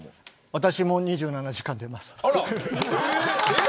私も２７時間出ます。